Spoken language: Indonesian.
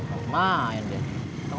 mau main dalam ini